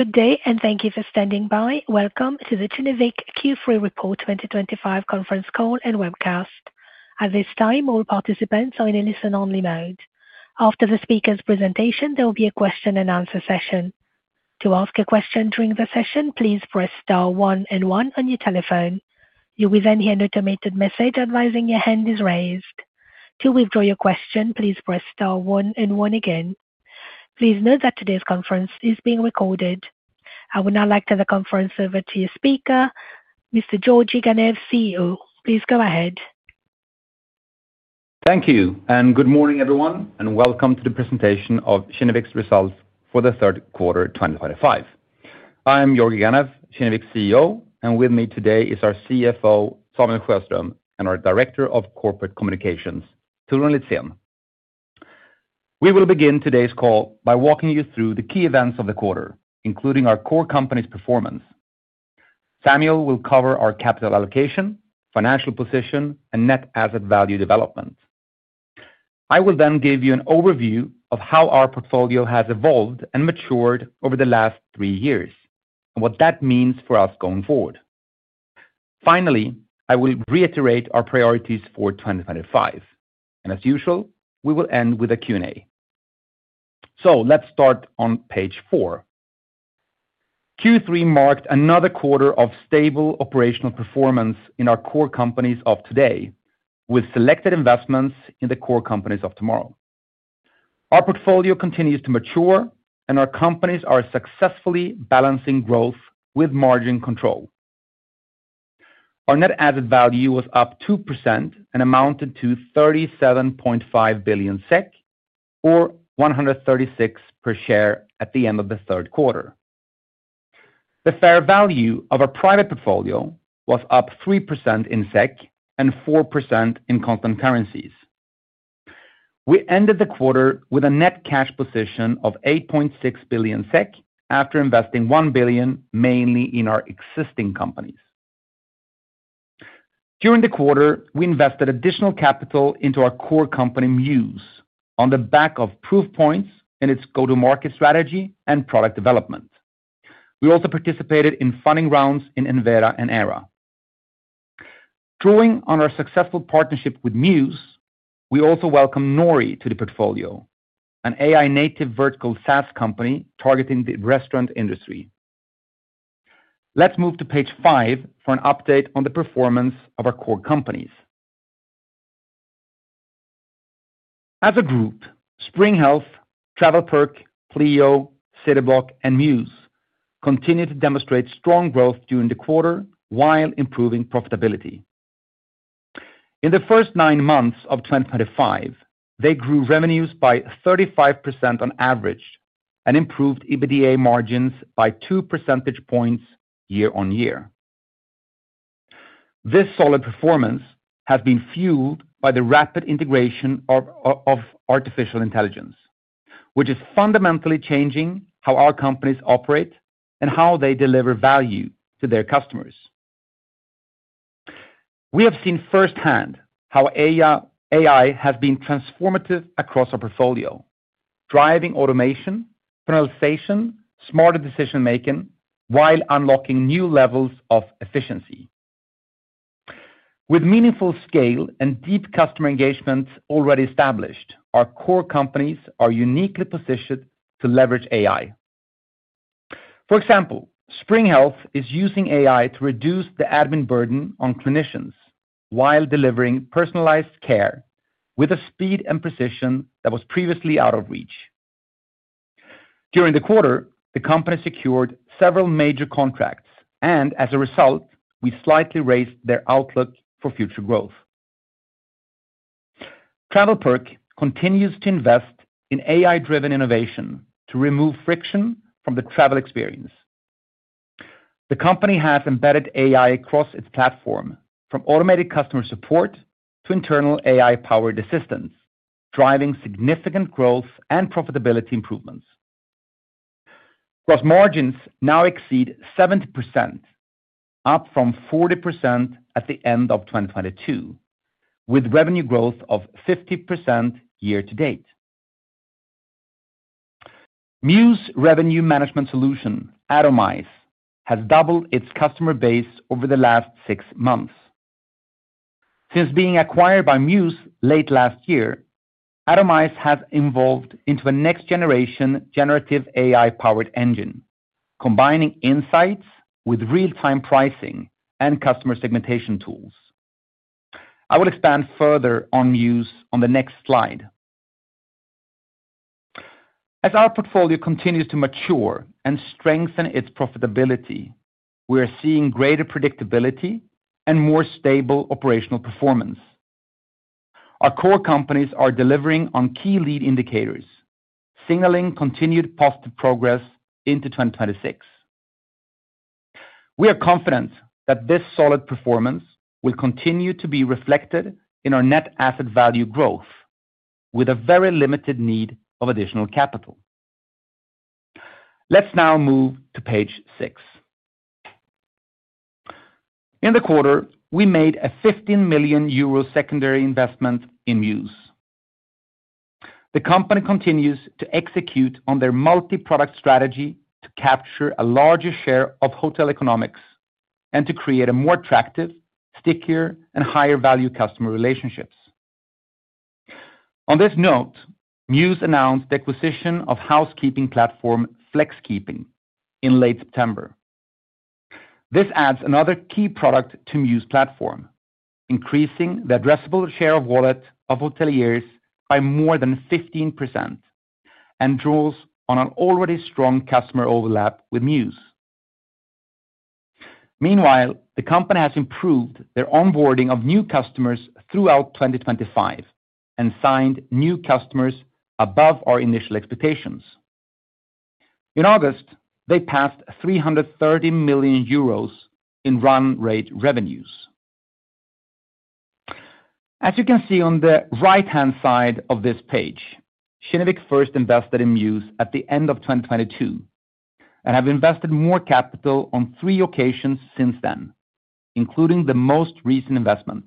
Today, and thank you for standing by, welcome to the Kinnevik Q3 Report 2025 conference call and webcast. At this time, all participants are in a listen-only mode. After the speaker's presentation, there will be a question and answer session. To ask a question during the session, please press star one and one on your telephone. You will then hear an automated message advising your hand is raised. To withdraw your question, please press star one and one again. Please note that today's conference is being recorded. I will now like to turn the conference over to your speaker, Mr. Georgi Ganev, CEO. Please go ahead. Thank you, and good morning, everyone, and welcome to the presentation of Kinnevik's results for the third quarter 2025. I'm Georgi Ganev, Kinnevik's CEO, and with me today is our CFO, Samuel Sjöström, and our Director of Corporate Communications, Torun Litzén. We will begin today's call by walking you through the key events of the quarter, including our core companies' performance. Samuel will cover our capital allocation, financial position, and net asset value development. I will then give you an overview of how our portfolio has evolved and matured over the last three years, and what that means for us going forward. Finally, I will reiterate our priorities for 2025. As usual, we will end with a Q&A. Let's start on page four. Q3 marked another quarter of stable operational performance in our core companies of today, with selected investments in the core companies of tomorrow. Our portfolio continues to mature, and our companies are successfully balancing growth with margin control. Our net asset value was up 2% and amounted to 37.5 billion SEK, or 136 per share at the end of the third quarter. The fair value of our private portfolio was up 3% in SEK and 4% in constant currencies. We ended the quarter with a net cash position of 8.6 billion SEK after investing 1 billion mainly in our existing companies. During the quarter, we invested additional capital into our core company, Mews, on the back of proof points in its go-to-market strategy and product development. We also participated in funding rounds in Enveda and Nori. Drawing on our successful partnership with Mews, we also welcomed Nori to the portfolio, an AI-native vertical SaaS company targeting the restaurant industry. Let's move to page five for an update on the performance of our core companies. As a group, Spring Health, TravelPerk, Pleo, Cityblock, and Mews continue to demonstrate strong growth during the quarter while improving profitability. In the first nine months of 2025, they grew revenues by 35% on average and improved EBITDA margins by two percentage points year-on-year. This solid performance has been fueled by the rapid integration of artificial intelligence, which is fundamentally changing how our companies operate and how they deliver value to their customers. We have seen firsthand how AI has been transformative across our portfolio, driving automation, personalization, and smarter decision-making while unlocking new levels of efficiency. With meaningful scale and deep customer engagements already established, our core companies are uniquely positioned to leverage AI. For example, Spring Health is using AI to reduce the admin burden on clinicians while delivering personalized care with a speed and precision that was previously out of reach. During the quarter, the company secured several major contracts, and as a result, we slightly raised their outlook for future growth. TravelPerk continues to invest in AI-driven innovation to remove friction from the travel experience. The company has embedded AI across its platform, from automated customer support to internal AI-powered assistants, driving significant growth and profitability improvements. Gross margins now exceed 70%, up from 40% at the end of 2022, with revenue growth of 50% year-to-date. Mews's revenue management solution, Atomize, has doubled its customer base over the last six months. Since being acquired by Mews late last year, Atomize has evolved into a next-generation generative AI-powered engine, combining insights with real-time pricing and customer segmentation tools. I will expand further on Mews on the next slide. As our portfolio continues to mature and strengthen its profitability, we are seeing greater predictability and more stable operational performance. Our core companies are delivering on key lead indicators, signaling continued positive progress into 2026. We are confident that this solid performance will continue to be reflected in our net asset value growth, with a very limited need of additional capital. Let's now move to page six. In the quarter, we made a 15 million euro secondary investment in Mews. The company continues to execute on their multi-product strategy to capture a larger share of hotel economics and to create a more attractive, stickier, and higher-value customer relationship. On this note, Mews announced the acquisition of housekeeping platform FlexKeeping in late September. This adds another key product to Mews's platform, increasing the addressable share of wallet of hoteliers by more than 15%, and draws on an already strong customer overlap with Mews. Meanwhile, the company has improved their onboarding of new customers throughout 2025 and signed new customers above our initial expectations. In August, they passed 330 million euros in run-rate revenues. As you can see on the right-hand side of this page, Kinnevik first invested in Mews at the end of 2022 and have invested more capital on three occasions since then, including the most recent investment.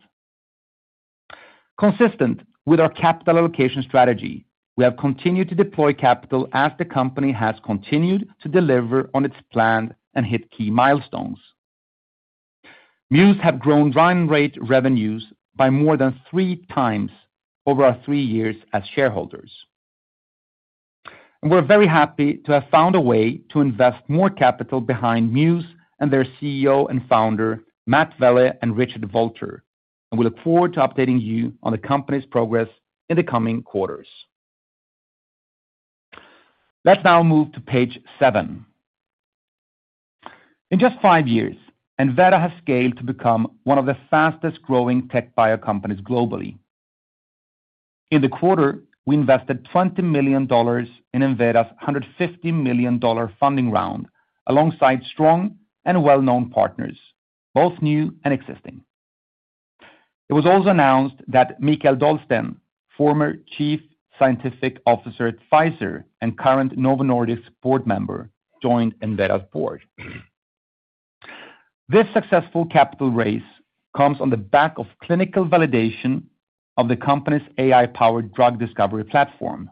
Consistent with our capital allocation strategy, we have continued to deploy capital as the company has continued to deliver on its plan and hit key milestones. Mews has grown run-rate revenues by more than three times over our three years as shareholders. We are very happy to have found a way to invest more capital behind Mews and their CEO and founder, Matt Welle and Richard Valtr, and we look forward to updating you on the company's progress in the coming quarters. Let's now move to page seven. In just five years, Enveda has scaled to become one of the fastest-growing tech biotech companies globally. In the quarter, we invested $20 million in Enveda's $150 million funding round, alongside strong and well-known partners, both new and existing. It was also announced that Mikael Dahlsten, former Chief Scientific Officer at Pfizer and current Novo Nordisk board member, joined Enveda's board. This successful capital raise comes on the back of clinical validation of the company's AI-driven drug discovery platform,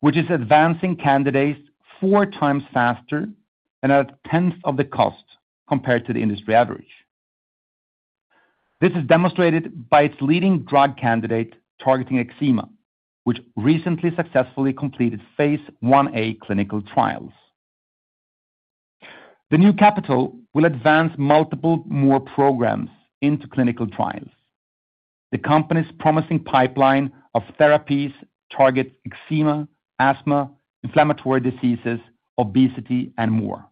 which is advancing candidates four times faster and at a tenth of the cost compared to the industry average. This is demonstrated by its leading drug candidate targeting eczema, which recently successfully completed phase 1A clinical trials. The new capital will advance multiple more programs into clinical trials. The company's promising pipeline of therapies targets eczema, asthma, inflammatory diseases, obesity, and more.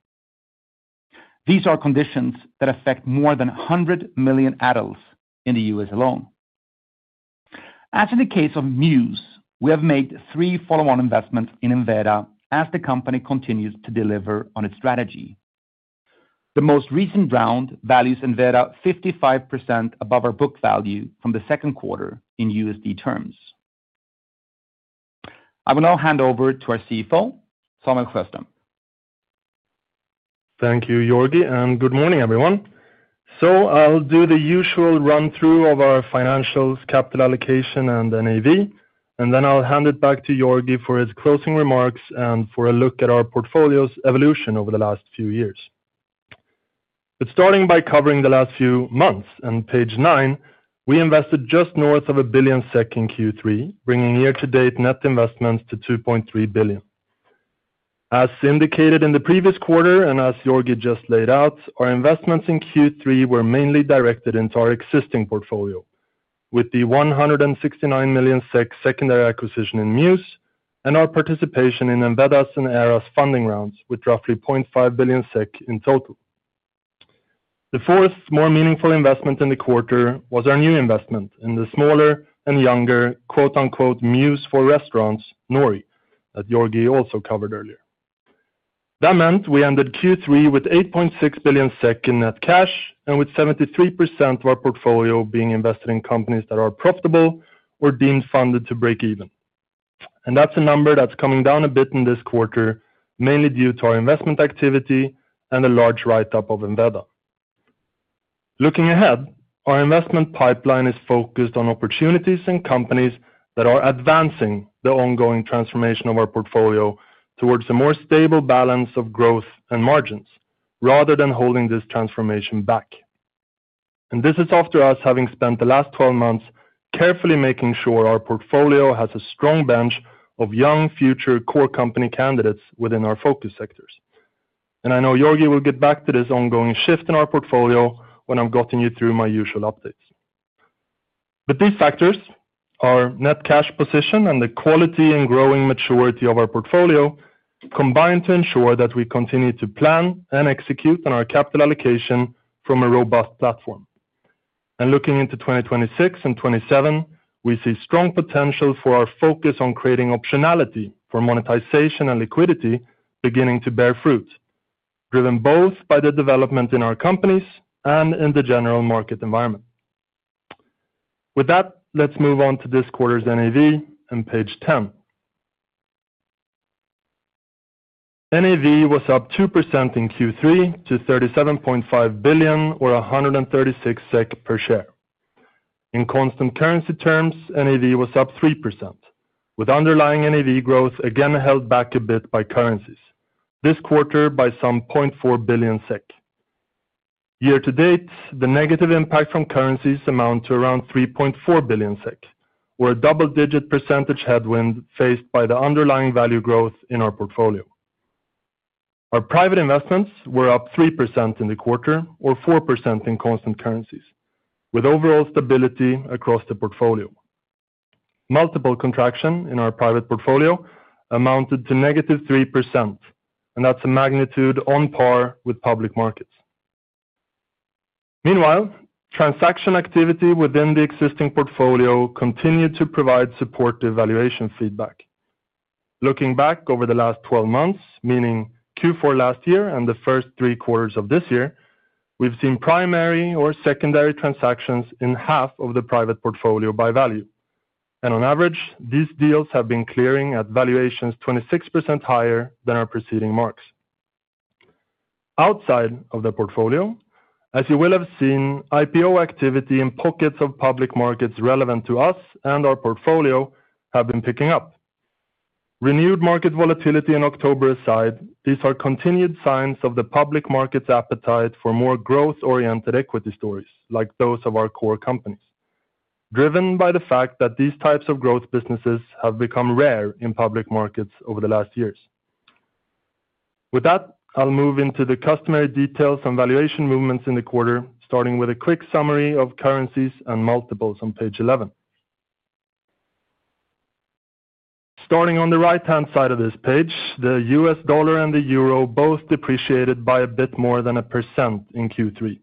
These are conditions that affect more than 100 million adults in the U.S. alone. As in the case of Mews, we have made three follow-on investments in Enveda as the company continues to deliver on its strategy. The most recent round values Enveda 55% above our book value from the second quarter in USD terms. I will now hand over to our CFO, Samuel Sjöström. Thank you, Georgi, and good morning, everyone. I'll do the usual run-through of our financials, capital allocation, and NAV, and then I'll hand it back to Georgi for his closing remarks and for a look at our portfolio's evolution over the last few years. Starting by covering the last few months, on page nine, we invested just north of 1 billion SEK in Q3, bringing year-to-date net investments to 2.3 billion. As indicated in the previous quarter, and as Georgi just laid out, our investments in Q3 were mainly directed into our existing portfolio, with the 169 million SEK secondary acquisition in Mews and our participation in Enveda's and Eras' funding rounds, with roughly 0.5 billion SEK in total. The fourth more meaningful investment in the quarter was our new investment in the smaller and younger quote-unquote "Mews for restaurants," Nori, that Georgi also covered earlier. That meant we ended Q3 with 8.6 billion SEK in net cash, and with 73% of our portfolio being invested in companies that are profitable or deemed funded to break even. That's a number that's coming down a bit in this quarter, mainly due to our investment activity and the large write-up of Enveda. Looking ahead, our investment pipeline is focused on opportunities and companies that are advancing the ongoing transformation of our portfolio towards a more stable balance of growth and margins, rather than holding this transformation back. This is after us having spent the last 12 months carefully making sure our portfolio has a strong bench of young future core company candidates within our focus sectors. I know Georgi will get back to this ongoing shift in our portfolio when I've gotten you through my usual updates. These factors, our net cash position and the quality and growing maturity of our portfolio, combine to ensure that we continue to plan and execute on our capital allocation from a robust platform. Looking into 2026 and 2027, we see strong potential for our focus on creating optionality for monetization and liquidity beginning to bear fruit, driven both by the development in our companies and in the general market environment. With that, let's move on to this quarter's NAV and page 10. NAV was up 2% in Q3 to 37.5 billion, or 136 SEK per share. In constant currency terms, NAV was up 3%, with underlying NAV growth again held back a bit by currencies, this quarter by some 0.4 billion SEK. Year-to-date, the negative impact from currencies amounted to around 3.4 billion SEK, or a double-digit percentage headwind faced by the underlying value growth in our portfolio. Our private investments were up 3% in the quarter, or 4% in constant currencies, with overall stability across the portfolio. Multiple contraction in our private portfolio amounted to negative 3%, and that's a magnitude on par with public markets. Meanwhile, transaction activity within the existing portfolio continued to provide supportive valuation feedback. Looking back over the last 12 months, meaning Q4 last year and the first three quarters of this year, we've seen primary or secondary transactions in half of the private portfolio by value. On average, these deals have been clearing at valuations 26% higher than our preceding marks. Outside of the portfolio, as you will have seen, IPO activity in pockets of public markets relevant to us and our portfolio have been picking up. Renewed market volatility in October aside, these are continued signs of the public market's appetite for more growth-oriented equity stories, like those of our core companies, driven by the fact that these types of growth businesses have become rare in public markets over the last years. With that, I'll move into the customary details and valuation movements in the quarter, starting with a quick summary of currencies and multiples on page 11. Starting on the right-hand side of this page, the U.S. dollar and the euro both depreciated by a bit more than a percent in Q3,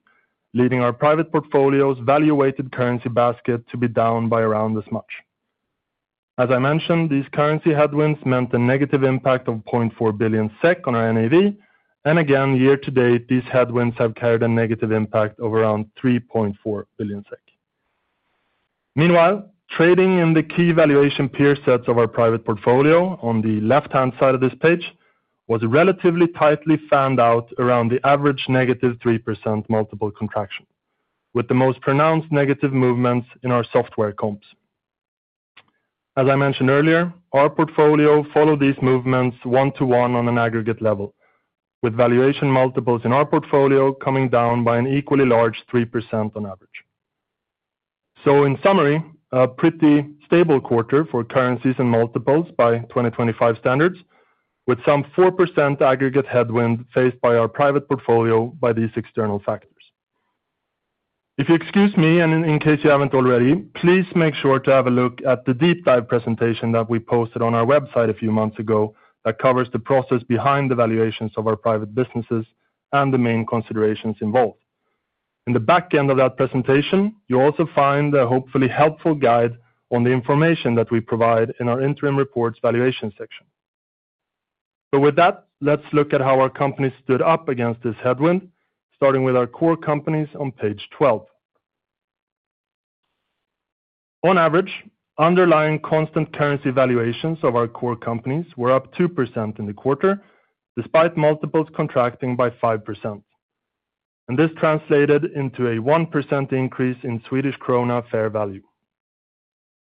leading our private portfolio's valuated currency basket to be down by around this much. As I mentioned, these currency headwinds meant a negative impact of 0.4 billion SEK on our NAV, and again, year-to-date, these headwinds have carried a negative impact of around 3.4 billion SEK. Meanwhile, trading in the key valuation peer sets of our private portfolio on the left-hand side of this page was relatively tightly fanned out around the average negative 3% multiple contraction, with the most pronounced negative movements in our software comps. As I mentioned earlier, our portfolio followed these movements one to one on an aggregate level, with valuation multiples in our portfolio coming down by an equally large 3% on average. In summary, a pretty stable quarter for currencies and multiples by 2025 standards, with some 4% aggregate headwind faced by our private portfolio by these external factors. If you excuse me, and in case you haven't already, please make sure to have a look at the deep dive presentation that we posted on our website a few months ago that covers the process behind the valuations of our private businesses and the main considerations involved. In the back end of that presentation, you'll also find a hopefully helpful guide on the information that we provide in our interim reports valuation section. With that, let's look at how our company stood up against this headwind, starting with our core companies on page 12. On average, underlying constant currency valuations of our core companies were up 2% in the quarter, despite multiples contracting by 5%. This translated into a 1% increase in SEK fair value.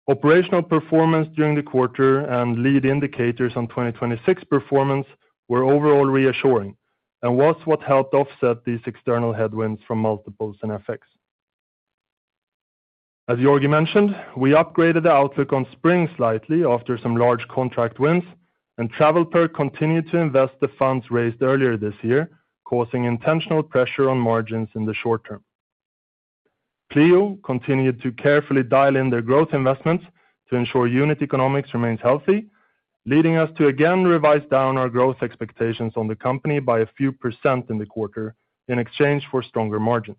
Operational performance during the quarter and lead indicators on 2026 performance were overall reassuring and was what helped offset these external headwinds from multiples and FX. As Georgi Ganev mentioned, we upgraded the outlook on Spring Health slightly after some large contract wins, and TravelPerk continued to invest the funds raised earlier this year, causing intentional pressure on margins in the short term. Pleo continued to carefully dial in their growth investments to ensure unit economics remains healthy, leading us to again revise down our growth expectations on the company by a few percent in the quarter in exchange for stronger margins.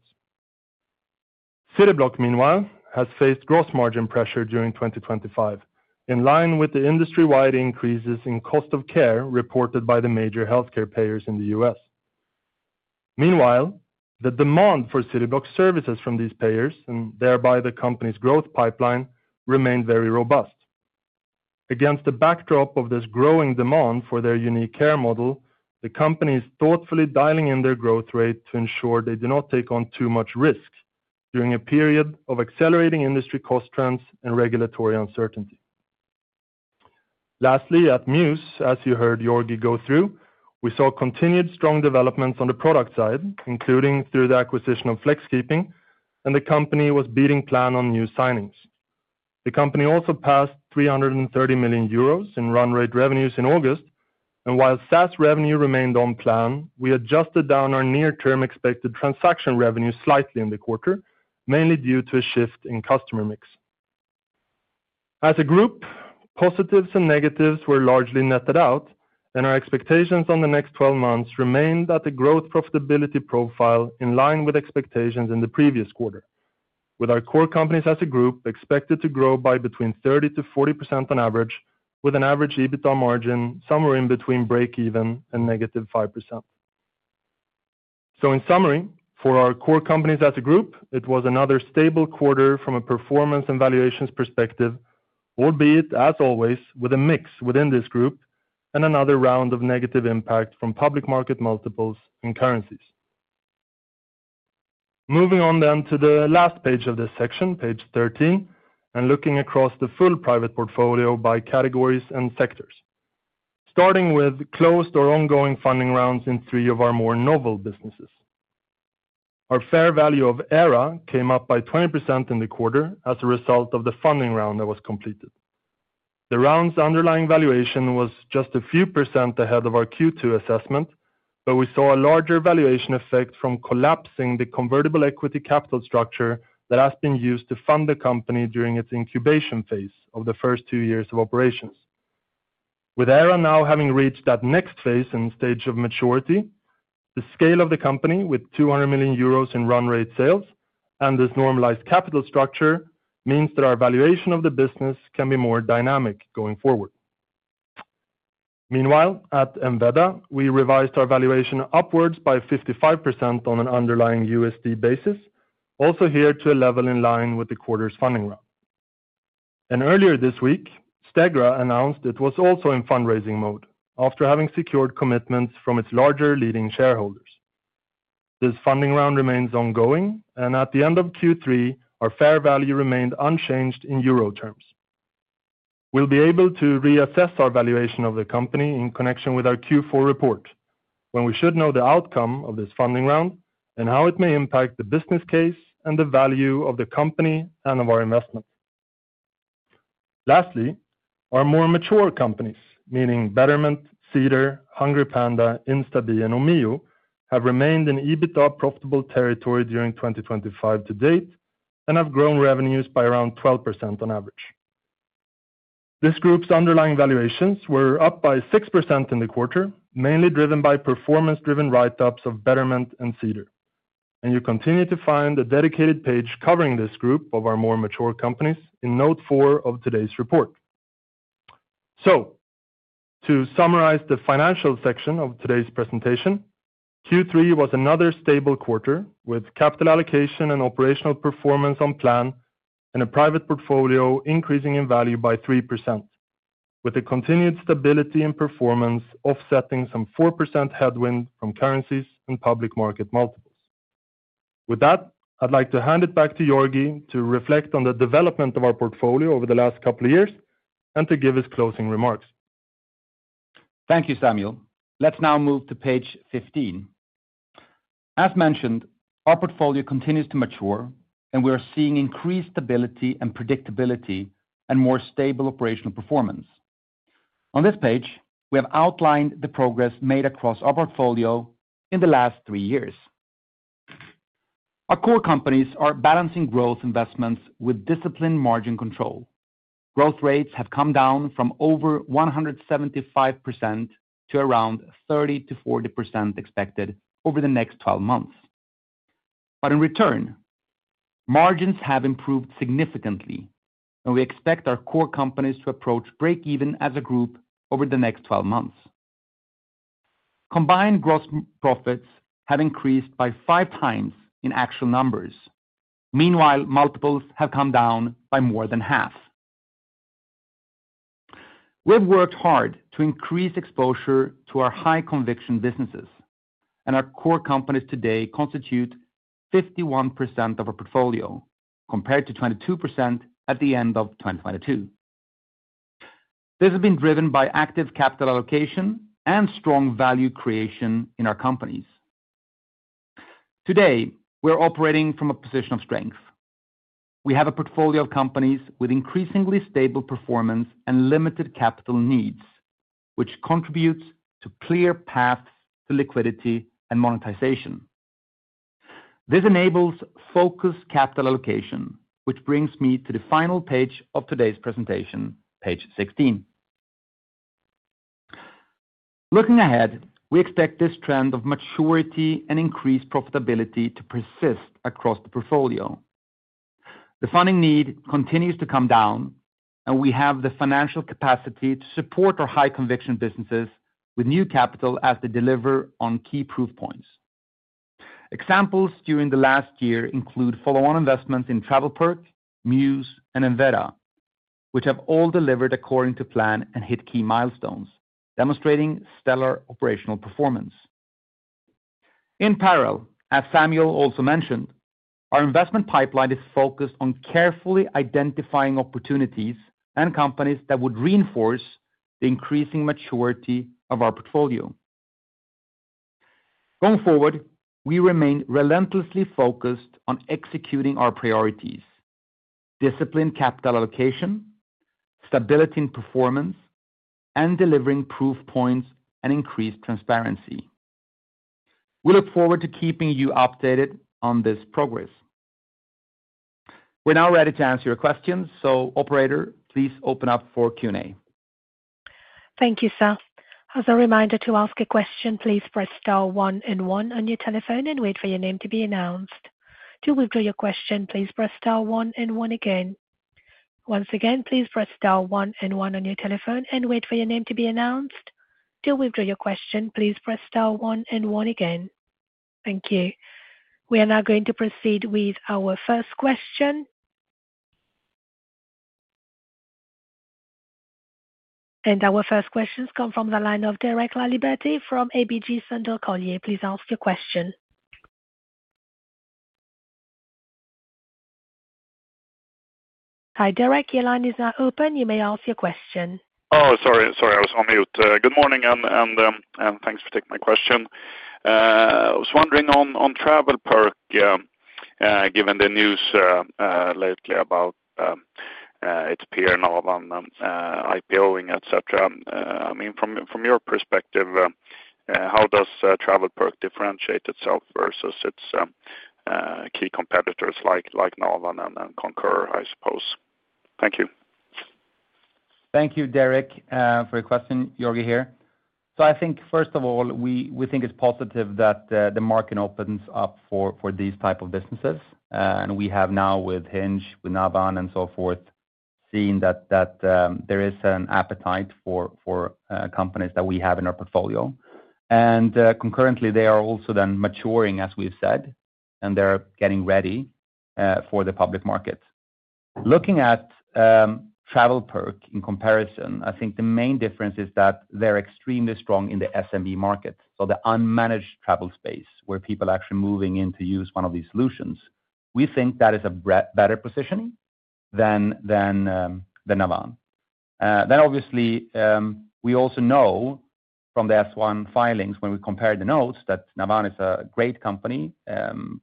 Cityblock, meanwhile, has faced gross margin pressure during 2025, in line with the industry-wide increases in cost of care reported by the major healthcare payers in the U.S. Meanwhile, the demand for Cityblock's services from these payers, and thereby the company's growth pipeline, remained very robust. Against the backdrop of this growing demand for their unique care model, the company is thoughtfully dialing in their growth rate to ensure they do not take on too much risk during a period of accelerating industry cost trends and regulatory uncertainty. Lastly, at Mews, as you heard Georgi Ganev go through, we saw continued strong developments on the product side, including through the acquisition of FlexKeeping, and the company was beating plan on new signings. The company also passed €330 million in run-rate revenues in August, and while SaaS revenue remained on plan, we adjusted down our near-term expected transaction revenue slightly in the quarter, mainly due to a shift in customer mix. As a group, positives and negatives were largely netted out, and our expectations on the next 12 months remained that the growth profitability profile in line with expectations in the previous quarter, with our core companies as a group expected to grow by between 30%-40% on average, with an average EBITDA margin somewhere in between breakeven and -5%. In summary, for our core companies as a group, it was another stable quarter from a performance and valuations perspective, albeit as always with a mix within this group and another round of negative impact from public market multiples and currencies. Moving on then to the last page of this section, page 13, and looking across the full private portfolio by categories and sectors, starting with closed or ongoing funding rounds in three of our more novel businesses. Our fair value of Era came up by 20% in the quarter as a result of the funding round that was completed. The round's underlying valuation was just a few percent ahead of our Q2 assessment, but we saw a larger valuation effect from collapsing the convertible equity capital structure that has been used to fund the company during its incubation phase of the first two years of operations. With Era now having reached that next phase and stage of maturity, the scale of the company with 200 million euros in run-rate sales and this normalized capital structure means that our valuation of the business can be more dynamic going forward. Meanwhile, at Enveda, we revised our valuation upwards by 55% on an underlying USD basis, also here to a level in line with the quarter's funding round. Earlier this week, Stegra announced it was also in fundraising mode after having secured commitments from its larger leading shareholders. This funding round remains ongoing, and at the end of Q3, our fair value remained unchanged in euro terms. We will be able to reassess our valuation of the company in connection with our Q4 report when we should know the outcome of this funding round and how it may impact the business case and the value of the company and of our investment. Lastly, our more mature companies, meaning Betterment, Cedar, Hungry Panda, Instabe, and Omio, have remained in EBITDA profitable territory during 2025 to date and have grown revenues by around 12% on average. This group's underlying valuations were up by 6% in the quarter, mainly driven by performance-driven write-ups of Betterment and Cedar. You continue to find a dedicated page covering this group of our more mature companies in note four of today's report. To summarize the financial section of today's presentation, Q3 was another stable quarter with capital allocation and operational performance on plan and a private portfolio increasing in value by 3%, with a continued stability in performance offsetting some 4% headwind from currencies and public market multiples. With that, I'd like to hand it back to Georgi to reflect on the development of our portfolio over the last couple of years and to give his closing remarks. Thank you, Samuel. Let's now move to page 15. As mentioned, our portfolio continues to mature, and we are seeing increased stability and predictability and more stable operational performance. On this page, we have outlined the progress made across our portfolio in the last three years. Our core companies are balancing growth investments with disciplined margin control. Growth rates have come down from over 175% to around 30%-40% expected over the next 12 months. In return, margins have improved significantly, and we expect our core companies to approach breakeven as a group over the next 12 months. Combined gross profits have increased by five times in actual numbers. Meanwhile, multiples have come down by more than half. We have worked hard to increase exposure to our high-conviction businesses, and our core companies today constitute 51% of our portfolio compared to 22% at the end of 2022. This has been driven by active capital allocation and strong value creation in our companies. Today, we're operating from a position of strength. We have a portfolio of companies with increasingly stable performance and limited capital needs, which contributes to clear paths to liquidity and monetization. This enables focused capital allocation, which brings me to the final page of today's presentation, page 16. Looking ahead, we expect this trend of maturity and increased profitability to persist across the portfolio. The funding need continues to come down, and we have the financial capacity to support our high-conviction businesses with new capital as they deliver on key proof points. Examples during the last year include follow-on investments in TravelPerk, Mews, and Enveda, which have all delivered according to plan and hit key milestones, demonstrating stellar operational performance. In parallel, as Samuel also mentioned, our investment pipeline is focused on carefully identifying opportunities and companies that would reinforce the increasing maturity of our portfolio. Going forward, we remain relentlessly focused on executing our priorities: disciplined capital allocation, stability in performance, and delivering proof points and increased transparency. We look forward to keeping you updated on this progress. We're now ready to answer your questions, so operator, please open up for Q&A. Thank you, Seth. As a reminder, to ask a question, please press star one and one on your telephone and wait for your name to be announced. To withdraw your question, please press star one and one again. Once again, please press star one and one on your telephone and wait for your name to be announced. To withdraw your question, please press star one and one again. Thank you. We are now going to proceed with our first question. Our first questions come from the line of Derek Laliberte from ABG Central Collier. Please ask your question. Hi, Derek. Your line is now open. You may ask your question. Sorry, I was on mute. Good morning, and thanks for taking my question. I was wondering on TravelPerk, given the news lately about its peer Navan IPOing, etc. From your perspective, how does TravelPerk differentiate itself versus its key competitors like Navan and Concur, I suppose? Thank you. Thank you, Derek, for your question. Georgi here. I think, first of all, we think it's positive that the market opens up for these types of businesses. We have now, with Hinge, with Nolan, and so forth, seen that there is an appetite for companies that we have in our portfolio. Concurrently, they are also maturing, as we've said, and they're getting ready for the public market. Looking at TravelPerk in comparison, I think the main difference is that they're extremely strong in the SMB market, the unmanaged travel space where people are actually moving in to use one of these solutions. We think that is a better position than Nolan. We also know from the S-1 filings, when we compare the notes, that Nolan is a great company,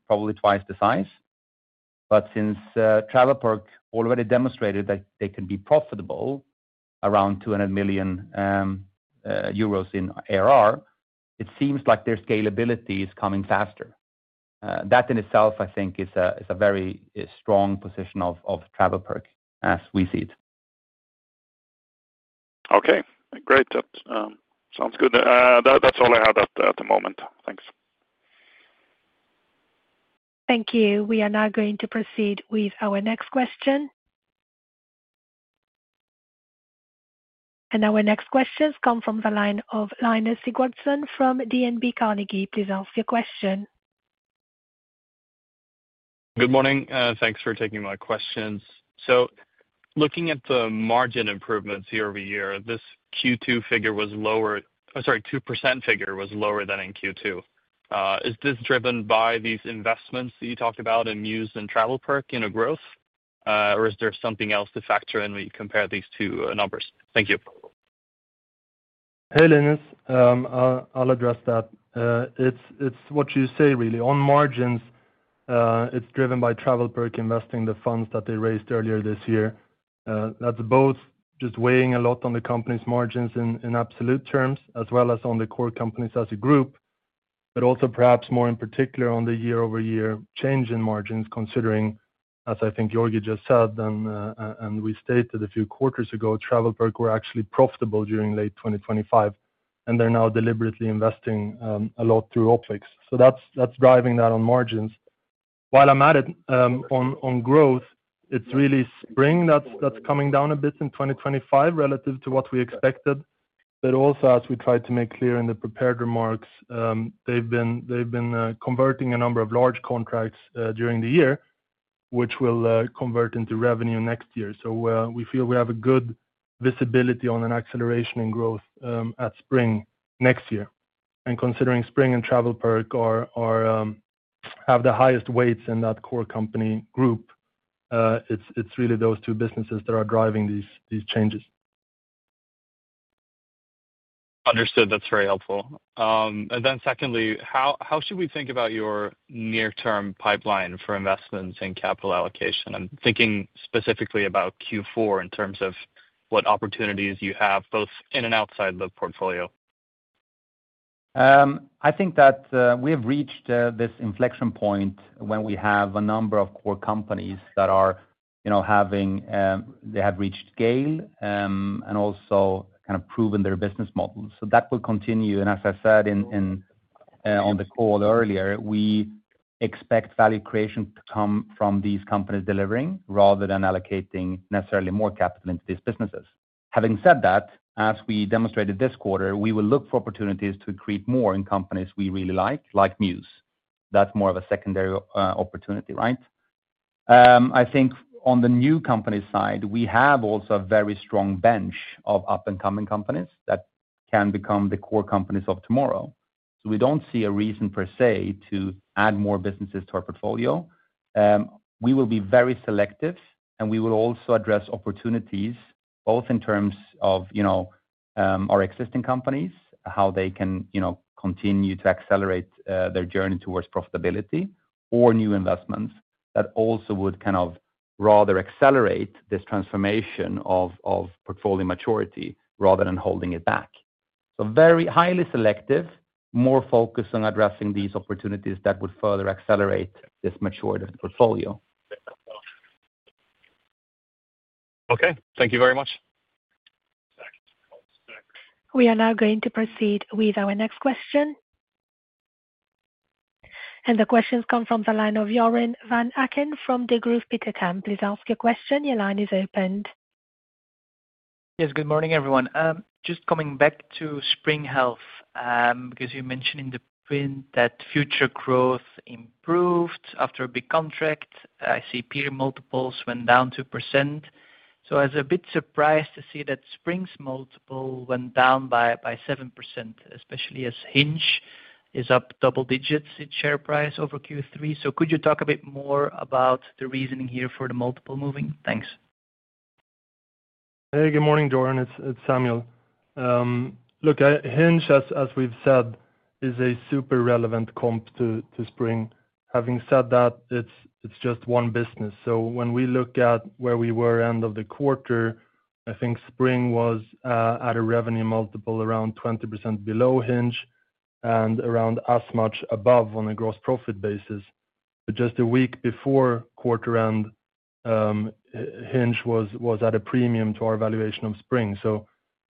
probably twice the size. Since TravelPerk already demonstrated that they can be profitable around 200 million euros in ARR, it seems like their scalability is coming faster. That in itself, I think, is a very strong position of TravelPerk as we see it. Okay. Great. That sounds good. That's all I had at the moment. Thanks. Thank you. We are now going to proceed with our next question. Our next questions come from the line of Linus Sigurdson from DNB Carnegie. Please ask your question. Good morning. Thanks for taking my questions. Looking at the margin improvements year-over-year, this 2% figure was lower than in Q2. Is this driven by these investments that you talked about in Mews and TravelPerk in growth, or is there something else to factor in when you compare these two numbers? Thank you. Hey, Linus. I'll address that. It's what you say, really. On margins, it's driven by TravelPerk investing the funds that they raised earlier this year. That's both just weighing a lot on the company's margins in absolute terms, as well as on the core companies as a group, also perhaps more in particular on the year-over-year change in margins, considering, as I think Georgi just said and we stated a few quarters ago, TravelPerk were actually profitable during late 2025, and they're now deliberately investing a lot through OpEx. That's driving that on margins. While I'm at it, on growth, it's really Spring that's coming down a bit in 2025 relative to what we expected. Also, as we tried to make clear in the prepared remarks, they've been converting a number of large contracts during the year, which will convert into revenue next year. We feel we have a good visibility on an acceleration in growth at Spring next year. Considering Spring and TravelPerk have the highest weights in that core company group, it's really those two businesses that are driving these changes. Understood. That's very helpful. Secondly, how should we think about your near-term pipeline for investments in capital allocation? I'm thinking specifically about Q4 in terms of what opportunities you have, both in and outside the portfolio. I think that we have reached this inflection point when we have a number of core companies that have reached scale and also kind of proven their business models. That will continue. As I said on the call earlier, we expect value creation to come from these companies delivering rather than allocating necessarily more capital into these businesses. Having said that, as we demonstrated this quarter, we will look for opportunities to create more in companies we really like, like Mews. That's more of a secondary opportunity, right? I think on the new company side, we have also a very strong bench of up-and-coming companies that can become the core companies of tomorrow. We do not see a reason per se to add more businesses to our portfolio. We will be very selective, and we will also address opportunities, both in terms of our existing companies, how they can continue to accelerate their journey towards profitability, or new investments that also would rather accelerate this transformation of portfolio maturity rather than holding it back. Very highly selective, more focused on addressing these opportunities that would further accelerate this maturity of the portfolio. Okay, thank you very much. We are now going to proceed with our next question. The questions come from the line of Joren Van Aken from Degroof Petercam. Please ask your question. Your line is opened. Yes. Good morning, everyone. Just coming back to Spring Health because you mentioned in the print that future growth improved after a big contract. I see peer multiples went down 2%. I was a bit surprised to see that Spring's multiple went down by 7%, especially as Hinge is up double digits in share price over Q3. Could you talk a bit more about the reasoning here for the multiple moving? Thanks. Hey, good morning, Joran. It's Samuel. Look, Hinge, as we've said, is a super relevant comp to Spring. Having said that, it's just one business. When we look at where we were end of the quarter, I think Spring was at a revenue multiple around 20% below Hinge and around as much above on a gross profit basis. Just a week before quarter end, Hinge was at a premium to our valuation of Spring.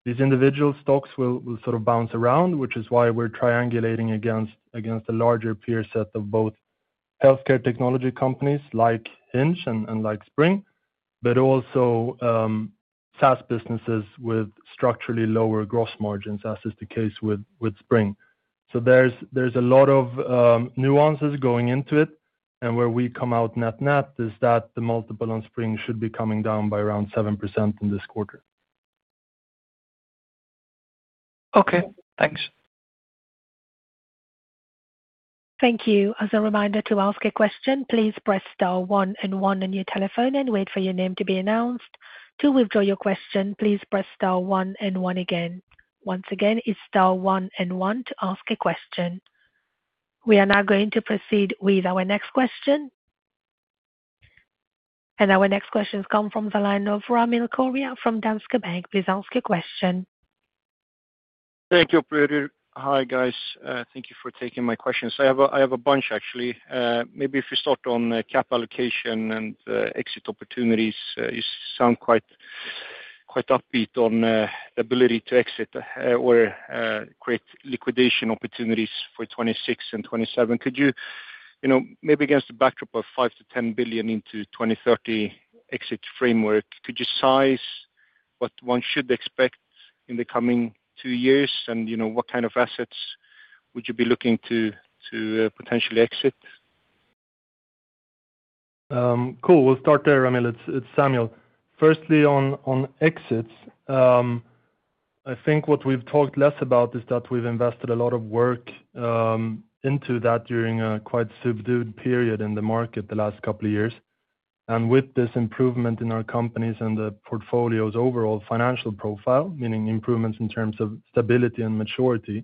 These individual stocks will sort of bounce around, which is why we're triangulating against a larger peer set of both healthcare technology companies like Hinge and like Spring, but also SaaS businesses with structurally lower gross margins, as is the case with Spring. There's a lot of nuances going into it. Where we come out net-net is that the multiple on Spring should be coming down by around 7% in this quarter. Okay. Thanks. Thank you. As a reminder to ask a question, please press star one and one on your telephone and wait for your name to be announced. To withdraw your question, please press star one and one again. Once again, it's star one and one to ask a question. We are now going to proceed with our next question. Our next questions come from the line of Ramil Koria from Danske Bank. Please ask your question. Thank you, operator. Hi, guys. Thank you for taking my questions. I have a bunch, actually. Maybe if you start on the cap allocation and exit opportunities, you sound quite upbeat on the ability to exit or create liquidation opportunities for 2026 and 2027. Could you, you know, maybe against the backdrop of 5 billion-10 billion into 2030 exit framework, could you size what one should expect in the coming two years, and you know what kind of assets would you be looking to potentially exit? Cool. We'll start there. I mean, it's Samuel. Firstly, on exits, I think what we've talked less about is that we've invested a lot of work into that during a quite subdued period in the market the last couple of years. With this improvement in our companies and the portfolio's overall financial profile, meaning improvements in terms of stability and maturity,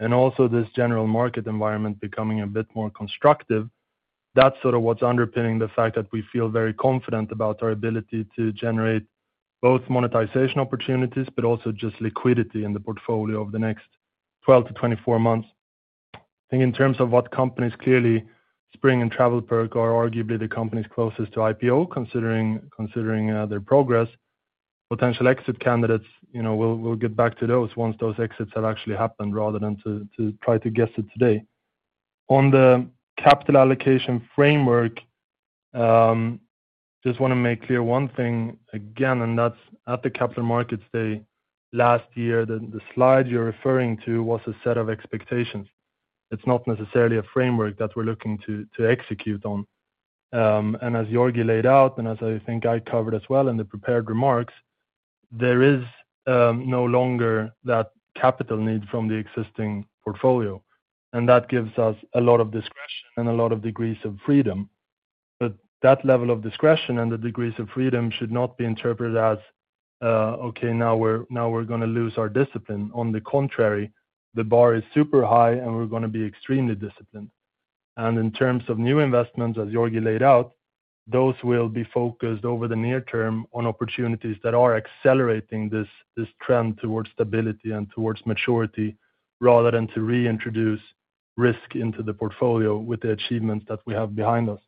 and also this general market environment becoming a bit more constructive, that's sort of what's underpinning the fact that we feel very confident about our ability to generate both monetization opportunities, but also just liquidity in the portfolio over the next 12-24 months. I think in terms of what companies, clearly Spring Health and TravelPerk are arguably the companies closest to IPO considering their progress. Potential exit candidates, you know, we'll get back to those once those exits have actually happened rather than to try to guess it today. On the capital allocation framework, I just want to make clear one thing again, and that's at the Capital Markets Day last year, the slide you're referring to was a set of expectations. It's not necessarily a framework that we're looking to execute on. As Georgi laid out, and as I think I covered as well in the prepared remarks, there is no longer that capital need from the existing portfolio. That gives us a lot of discretion and a lot of degrees of freedom. That level of discretion and the degrees of freedom should not be interpreted as, "Okay, now we're going to lose our discipline." On the contrary, the bar is super high and we're going to be extremely disciplined. In terms of new investments, as Georgi laid out, those will be focused over the near term on opportunities that are accelerating this trend towards stability and towards maturity rather than to reintroduce risk into the portfolio with the achievements that we have behind us.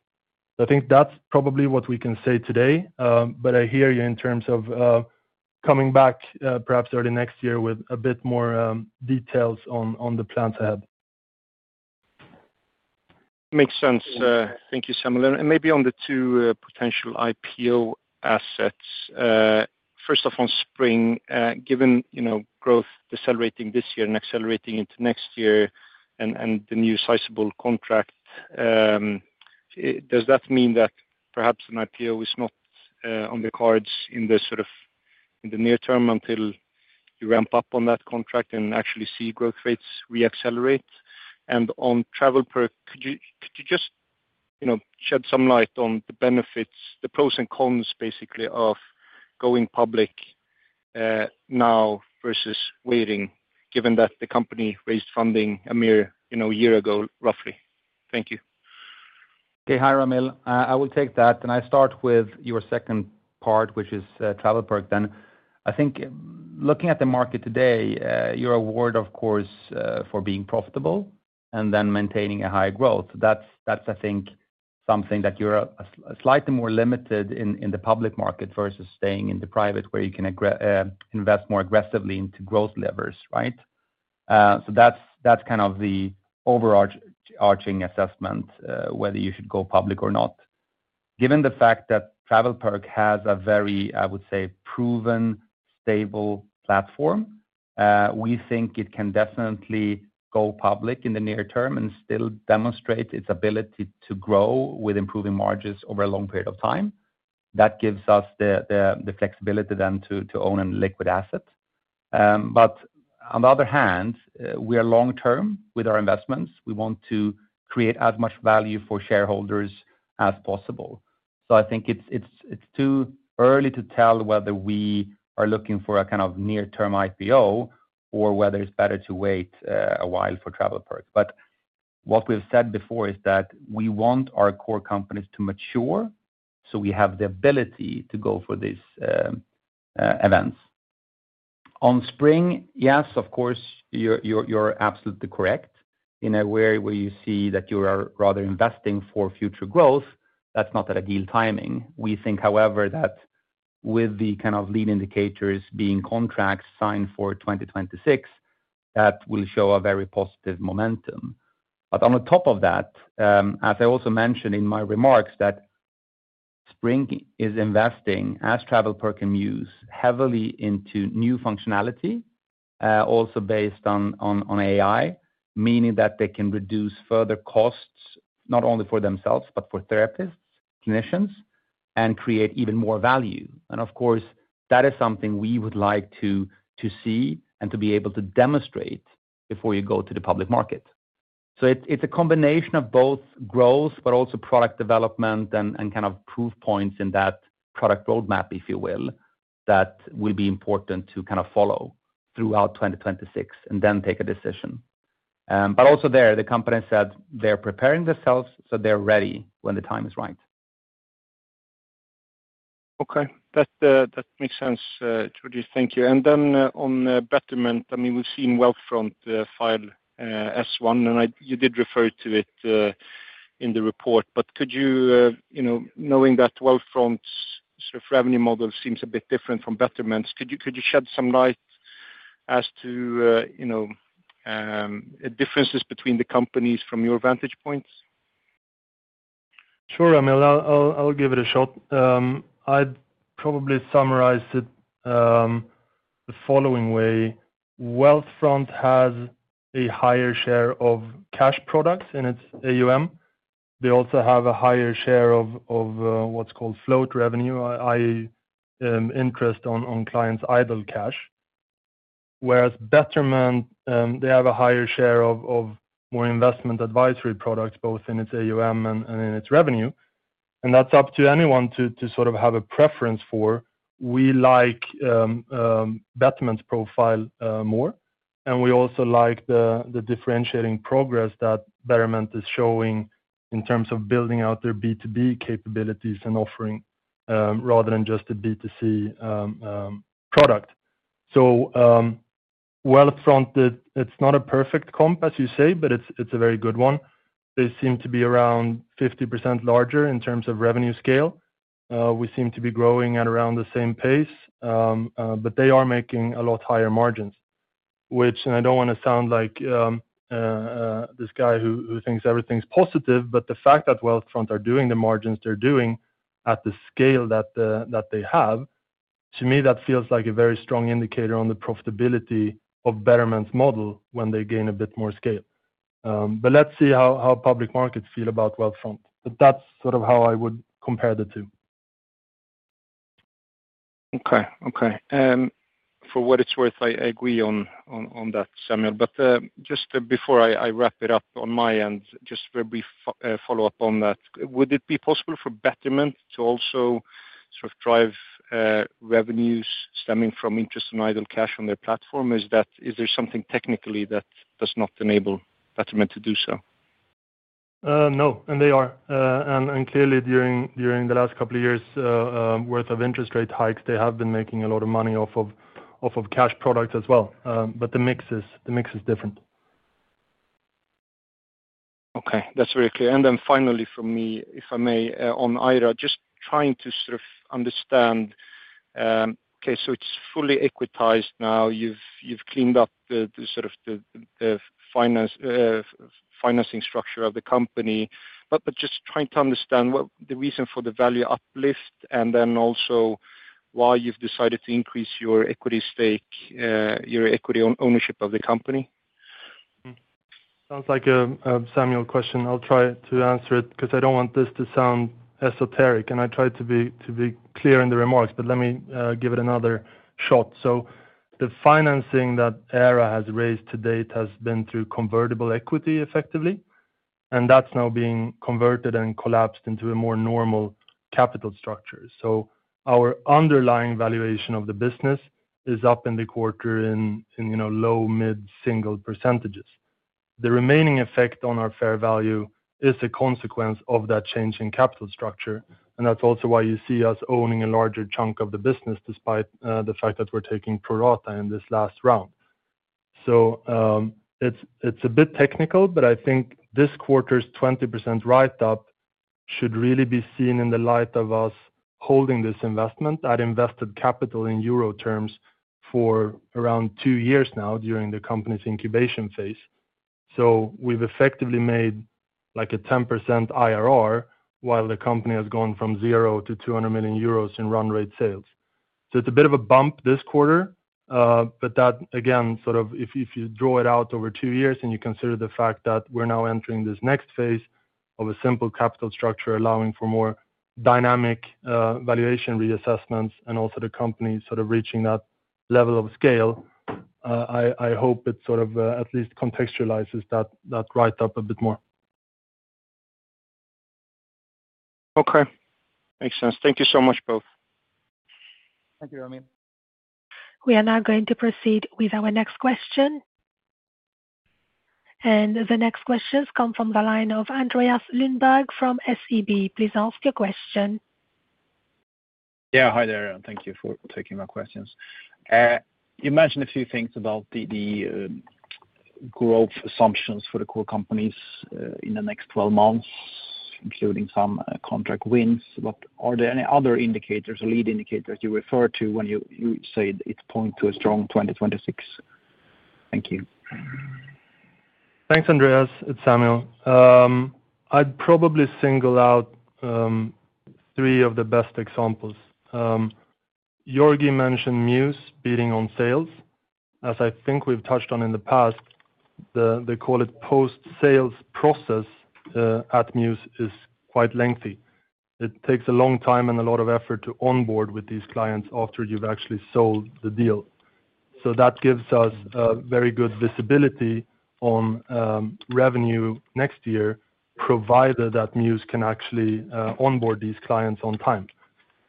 I think that's probably what we can say today, but I hear you in terms of coming back perhaps early next year with a bit more details on the plans ahead. Makes sense. Thank you, Samuel. Maybe on the two potential IPO assets, first off on Spring, given growth accelerating this year and accelerating into next year and the new sizable contract, does that mean that perhaps an IPO is not on the cards in the sort of near term until you ramp up on that contract and actually see growth rates reaccelerate? On TravelPerk, could you just shed some light on the benefits, the pros and cons basically of going public now versus waiting, given that the company raised funding a mere year ago, roughly? Thank you. Okay. Hi, Ramil. I will take that. I start with your second part, which is TravelPerk then. I think looking at the market today, you're awarded, of course, for being profitable and then maintaining a high growth. That's, I think, something that you're slightly more limited in the public market versus staying in the private where you can invest more aggressively into growth levers, right? That's kind of the overarching assessment whether you should go public or not. Given the fact that TravelPerk has a very, I would say, proven stable platform, we think it can definitely go public in the near term and still demonstrate its ability to grow with improving margins over a long period of time. That gives us the flexibility then to own a liquid asset. On the other hand, we are long-term with our investments. We want to create as much value for shareholders as possible. I think it's too early to tell whether we are looking for a kind of near-term IPO or whether it's better to wait a while for TravelPerk. What we've said before is that we want our core companies to mature so we have the ability to go for these events. On Spring, yes, of course, you're absolutely correct. In a way where you see that you are rather investing for future growth, that's not an ideal timing. We think, however, that with the kind of lead indicators being contracts signed for 2026, that will show a very positive momentum. On the top of that, as I also mentioned in my remarks, Spring is investing, as TravelPerk and Mews, heavily into new functionality, also based on AI, meaning that they can reduce further costs, not only for themselves, but for therapists, clinicians, and create even more value. Of course, that is something we would like to see and to be able to demonstrate before you go to the public market. It's a combination of both growth, but also product development and kind of proof points in that product roadmap, if you will, that will be important to follow throughout 2026 and then take a decision. Also there, the company said they're preparing themselves so they're ready when the time is right. Okay. That makes sense, Georgi. Thank you. On Betterment, we've seen Wealthfront file S-1, and you did refer to it in the report. Could you, knowing that Wealthfront's sort of revenue model seems a bit different from Betterment's, shed some light as to differences between the companies from your vantage points? Sure, Ramil. I'll give it a shot. I'd probably summarize it the following way. Wealthfront has a higher share of cash products in its AUM. They also have a higher share of what's called float revenue, i.e., interest on clients' idle cash. Whereas Betterment, they have a higher share of more investment advisory products, both in its AUM and in its revenue. That's up to anyone to sort of have a preference for. We like Betterment's profile more. We also like the differentiating progress that Betterment is showing in terms of building out their B2B capabilities and offering rather than just a B2C product. Wealthfront is not a perfect comp, as you say, but it's a very good one. They seem to be around 50% larger in terms of revenue scale. We seem to be growing at around the same pace, but they are making a lot higher margins, which, and I don't want to sound like this guy who thinks everything's positive, the fact that Wealthfront are doing the margins they're doing at the scale that they have, to me, that feels like a very strong indicator on the profitability of Betterment's model when they gain a bit more scale. Let's see how public markets feel about Wealthfront. That's sort of how I would compare the two. Okay. For what it's worth, I agree on that, Samuel. Just before I wrap it up on my end, a very brief follow-up on that. Would it be possible for Betterment to also sort of drive revenues stemming from interest on idle cash on their platform? Is there something technically that does not enable Betterment to do so? No, they are. Clearly, during the last couple of years' worth of interest rate hikes, they have been making a lot of money off of cash products as well. The mix is different. Okay. That's very clear. Finally, for me, if I may, on Ira, just trying to sort of understand, okay, so it's fully equitized now. You've cleaned up the sort of the financing structure of the company. Just trying to understand the reason for the value uplift and also why you've decided to increase your equity stake, your equity ownership of the company. Sounds like a Samuel question. I'll try to answer it because I don't want this to sound esoteric. I tried to be clear in the remarks, but let me give it another shot. The financing that Era has raised to date has been through convertible equity effectively. That's now being converted and collapsed into a more normal capital structure. Our underlying valuation of the business is up in the quarter in low, mid-single percentages. The remaining effect on our fair value is a consequence of that change in capital structure. That's also why you see us owning a larger chunk of the business despite the fact that we're taking pro rata in this last round. It's a bit technical, but I think this quarter's 20% write-up should really be seen in the light of us holding this investment. I'd invested capital in euro terms for around two years now during the company's incubation phase. We've effectively made like a 10% IRR while the company has gone from 0-200 million euros in run-rate sales. It's a bit of a bump this quarter. Again, if you draw it out over two years and you consider the fact that we're now entering this next phase of a simple capital structure allowing for more dynamic valuation reassessments and also the company sort of reaching that level of scale, I hope it at least contextualizes that write-up a bit more. Okay, makes sense. Thank you so much, both. Thank you, Ramil. We are now going to proceed with our next question. The next questions come from the line of Andreas Lundberg from SEB. Please ask your question. Hi there. Thank you for taking my questions. You mentioned a few things about the growth assumptions for the core companies in the next 12 months, including some contract wins. Are there any other indicators or lead indicators you refer to when you say it points to a strong 2026? Thank you. Thanks, Andreas. It's Samuel. I'd probably single out three of the best examples. Georgi mentioned Mews beating on sales. As I think we've touched on in the past, the post-sales process at Mews is quite lengthy. It takes a long time and a lot of effort to onboard with these clients after you've actually sold the deal. That gives us a very good visibility on revenue next year, provided that Mews can actually onboard these clients on time.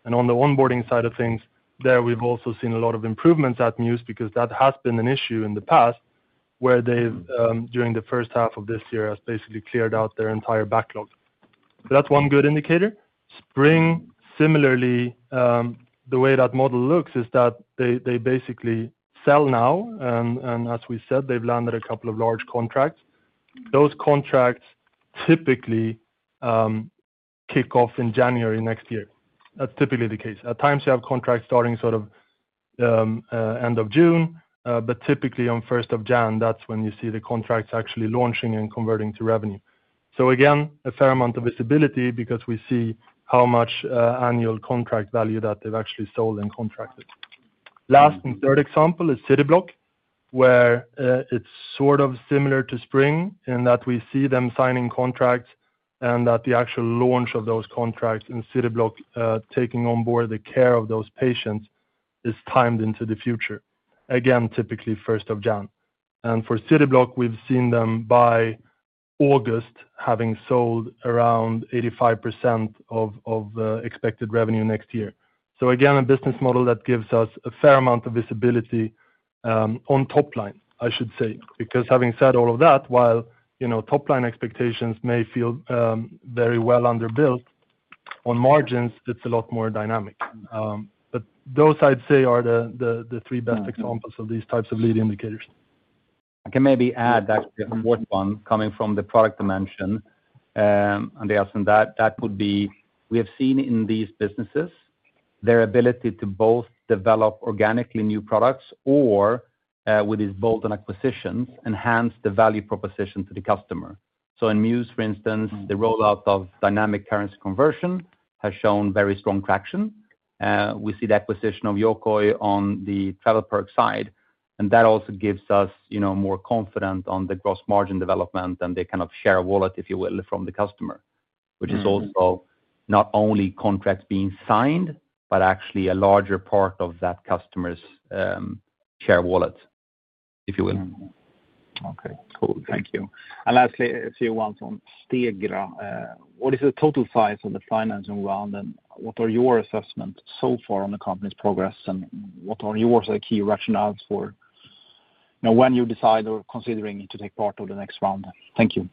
On the onboarding side of things, we've also seen a lot of improvements at Mews because that has been an issue in the past where they've, during the first half of this year, basically cleared out their entire backlog. That's one good indicator. Spring, similarly, the way that model looks is that they basically sell now. As we said, they've landed a couple of large contracts. Those contracts typically kick off in January next year. That's typically the case. At times, you have contracts starting sort of end of June, but typically on 1st of Jan, that's when you see the contracts actually launching and converting to revenue. Again, a fair amount of visibility because we see how much annual contract value that they've actually sold and contracted. Last and third example is Cityblock, where it's sort of similar to Spring in that we see them signing contracts and that the actual launch of those contracts and Cityblock taking onboard the care of those patients is timed into the future. Typically 1st of Jan. For Cityblock, we've seen them by August having sold around 85% of expected revenue next year. Again, a business model that gives us a fair amount of visibility on top line, I should say, because having said all of that, while top line expectations may feel very well underbuilt, on margins, it's a lot more dynamic. Those I'd say are the three best examples of these types of lead indicators. I can maybe add that the fourth one coming from the product dimension, Andreas, and that would be we have seen in these businesses their ability to both develop organically new products or, with these bolt-on acquisitions, enhance the value proposition to the customer. In Mews, for instance, the rollout of dynamic currency conversion has shown very strong traction. We see the acquisition of Yokoi on the TravelPerk side. That also gives us more confidence on the gross margin development and the kind of share wallet, if you will, from the customer, which is also not only contracts being signed, but actually a larger part of that customer's share wallet, if you will. Thank you. Lastly, a few ones on Stegra. What is the total size of the financing round, what are your assessments so far on the company's progress, and what are your key rationales for when you decide or are considering to take part of the next round? Thank you.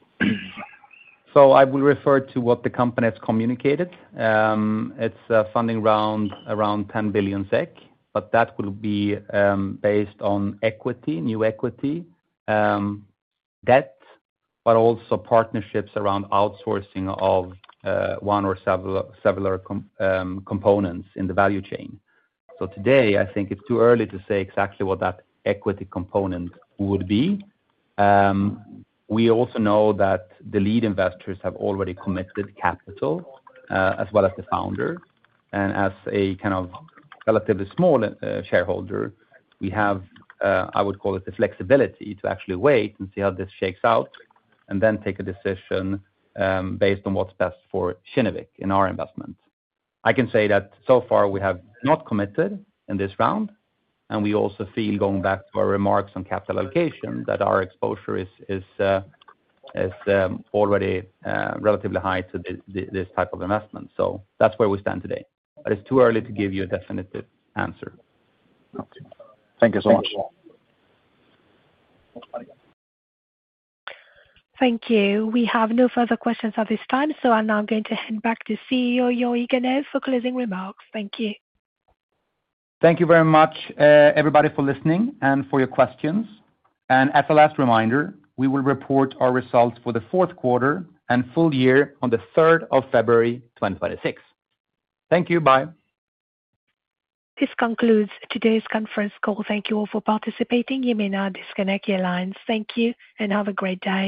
I will refer to what the company has communicated. It's a funding round around 10 billion SEK, but that will be based on equity, new equity, debt, and also partnerships around outsourcing of one or several components in the value chain. Today, I think it's too early to say exactly what that equity component would be. We also know that the lead investors have already committed capital, as well as the founders. As a kind of relatively small shareholder, we have, I would call it, the flexibility to actually wait and see how this shakes out and then take a decision based on what's best for Kinnevik in our investment. I can say that so far we have not committed in this round. We also feel, going back to our remarks on capital allocation, that our exposure is already relatively high to this type of investment. That's where we stand today. It's too early to give you a definitive answer. Thank you so much. Thank you. We have no further questions at this time. I'm now going to hand back to CEO Georgi Ganev for closing remarks. Thank you. Thank you very much, everybody, for listening and for your questions. As a last reminder, we will report our results for the fourth quarter and full year on 3rd of February 2026. Thank you. Bye. This concludes today's conference call. Thank you all for participating. You may now disconnect your lines. Thank you and have a great day.